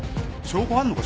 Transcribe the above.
証拠は。